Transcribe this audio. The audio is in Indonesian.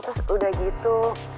terus udah gitu